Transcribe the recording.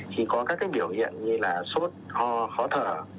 khi có các biểu hiện như là sốt ho khó thở